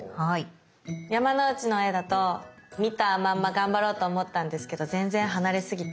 山之内の絵だと見たまんま頑張ろうと思ったんですけど全然離れすぎて。